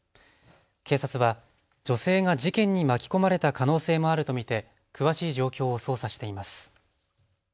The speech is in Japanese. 警察は女性が事件に巻き込まれた可能性もあると見て詳しい状況を捜査しています。